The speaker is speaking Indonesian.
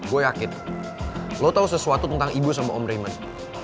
gue yakin lo tau sesuatu tentang ibu sama om reman